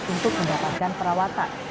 untuk mendapatkan perawatan